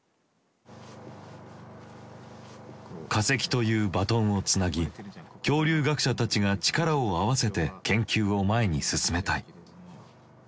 化石というバトンをつなぎ恐竜学者たちが力を合わせて研究を前に進めたい。